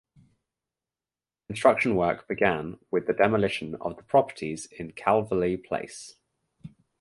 Construction work began with the demolition of the properties in Calverley Place.